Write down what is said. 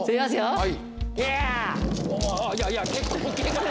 はい。